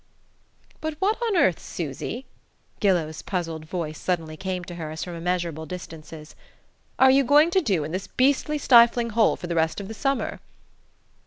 "But what on earth, Susy," Gillow's puzzled voice suddenly came to her as from immeasurable distances, "Are you going to do in this beastly stifling hole for the rest of the summer?"